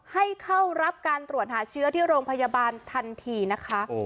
ให้เข้ารับการตรวจหาเชื้อที่โรงพยาบาลทันทีนะคะ